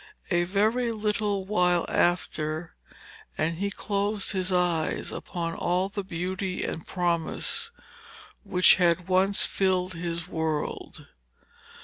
A very little while after and he closed his eyes upon all the beauty and promise which had once filled his world.